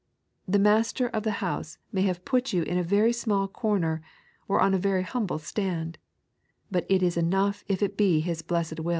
The Master of the house may have put you in a very small oomer, and on a veiy humble stand ; but it is enough if it be His blessed wiU.